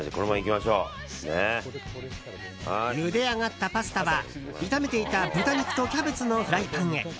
ゆで上がったパスタは炒めていた豚肉とキャベツのフライパンへ。